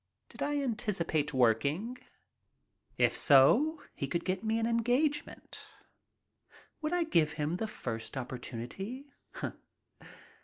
Did I anticipate working? If so, he could get me an engagement. Would I give him the first oppor tunity?